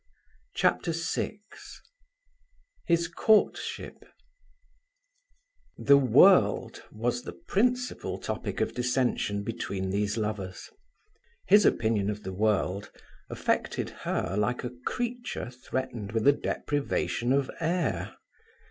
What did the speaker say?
CHAPTER VI HIS COURTSHIP The world was the principal topic of dissension between these lovers. His opinion of the world affected her like a creature threatened with a deprivation of air.